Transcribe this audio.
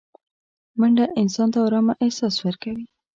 منډه انسان ته ارامه احساس ورکوي